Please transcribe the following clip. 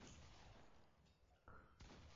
Su ídolo juvenil fue Nikola Tesla.